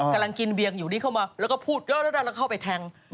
กำลังกินเบียงอยู่นี่เข้ามาแล้วก็พูดย้อนแล้วเข้าไปแทง